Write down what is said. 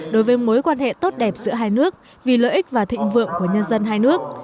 đối với mối quan hệ tốt đẹp giữa hai nước vì lợi ích và thịnh vượng của nhân dân hai nước